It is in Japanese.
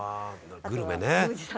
「グルメね」